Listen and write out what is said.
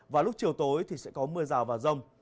và lúc chiều tối thì sẽ có mưa rào và rông